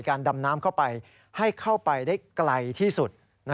ดำน้ำเข้าไปให้เข้าไปได้ไกลที่สุด